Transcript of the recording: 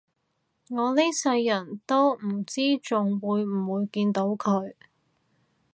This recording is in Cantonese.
我呢世人都唔知仲會唔會見到佢